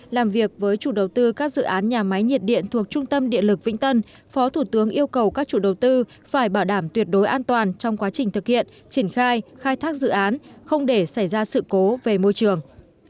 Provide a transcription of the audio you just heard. làm việc với chủ đầu tư các dự án nhà máy nhiệt điện thuộc trung tâm điện lực vĩnh tân phó thủ tướng yêu cầu các chủ đầu tư phải bảo đảm tuyệt đối an toàn trong quá trình thực hiện triển khai khai thác dự án không để xảy ra sự cố về môi trường